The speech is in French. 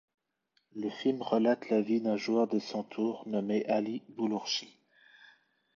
Le film relate la vie d'un joueur de santour nommé Ali Bolourchi.